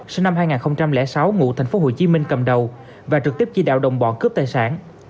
sinh năm hai nghìn sáu ngụ thành phố hồ chí minh cầm đầu và trực tiếp chỉ đạo đồng bọn cướp tài sản